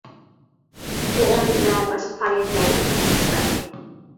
يىغىن ۋە باشقا پائالىيەتلەرگە قاتنىشىپ تۇراتتى.